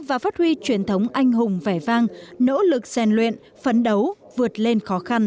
và phát huy truyền thống anh hùng vẻ vang nỗ lực rèn luyện phấn đấu vượt lên khó khăn